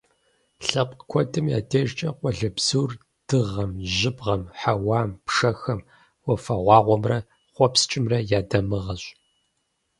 Лъэпкъ куэдым я дежкӀэ къуалэбзур дыгъэм, жьыбгъэм, хьэуам, пшэхэм, уафэгъуагъуэмрэ хъуэпскӀымрэ я дамыгъэщ.